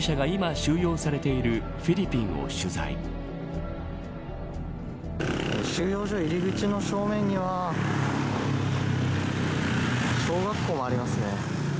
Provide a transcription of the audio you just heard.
収容所、入り口の正面には小学校もありますね。